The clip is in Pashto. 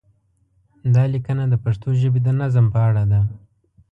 دا لیکنه د پښتو ژبې د نظم په اړه ده.